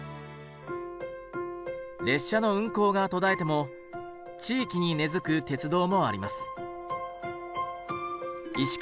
列車の運行が途絶えても地域に根づく鉄道もあります。